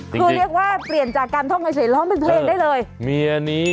เฮ่ยเรียกว่าเปลี่ยนจากการท่องที่เฉยร้องเป็นเพลงได้เลย